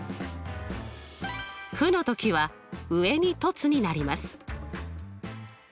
負の時は上に凸になります。